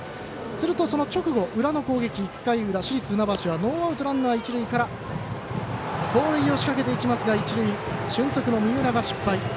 すると、直後裏の攻撃、市立船橋はノーアウト、ランナー、一塁から盗塁しかけていきますが一塁、俊足の三浦が失敗。